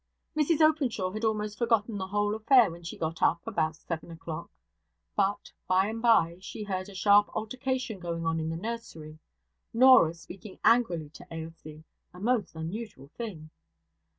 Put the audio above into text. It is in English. Mrs Openshaw had almost forgotten the whole affair when she got up about seven o'clock. But, by and by, she heard a sharp altercation going on in the nursery Norah speaking angrily to Ailsie, a most unusual thing.